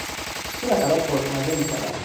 شیر خراب ترش مزه میشود.